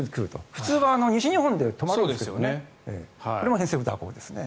普通は西日本で止まるんですがこれも偏西風の蛇行ですね。